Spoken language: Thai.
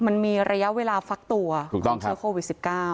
มันมีระยะเวลาฟักตัวถูกต้องเชื้อโควิด๑๙